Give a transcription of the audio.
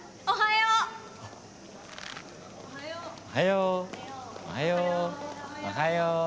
おはよう。